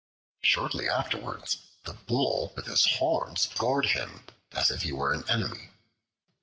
Shortly afterwards the Bull with his horns gored him as if he were an enemy.